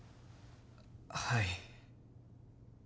はい。